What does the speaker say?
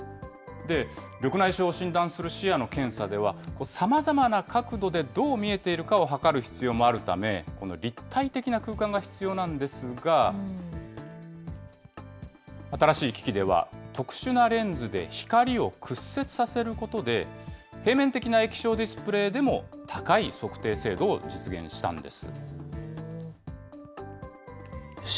緑内障を診断する視野の検査では、さまざまな角度でどう見えているかを測る必要もあるため、この立体的な空間が必要なんですが、新しい機器では、特殊なレンズで光を屈折させることで、平面的な液晶ディスプレーでも高い測定精度を実現したんです。